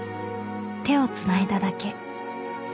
手をつないだだけ］